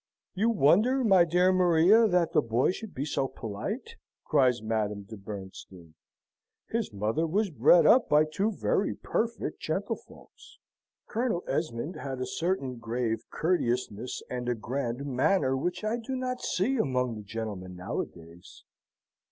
"You wonder, my dear Maria, that the boy should be so polite?" cries Madame de Bernstein. "His mother was bred up by two very perfect gentlefolks. Colonel Esmond had a certain grave courteousness, and a grand manner, which I do not see among the gentlemen nowadays."